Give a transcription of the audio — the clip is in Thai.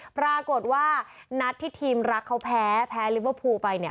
ปรากฏว่านัดที่ทีมรักเขาแพ้แพ้ลิเวอร์พูลไปเนี่ย